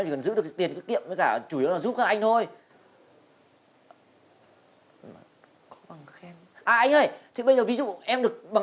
không được cực kỳ là quan trọng